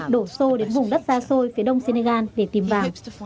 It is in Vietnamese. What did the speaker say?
đổ xô đến vùng đất xa xôi phía đông senegal để tìm vàng